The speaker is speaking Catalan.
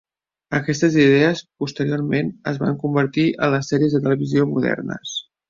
Aquestes idees, posteriorment, en van convertir en les sèries de televisió modernes.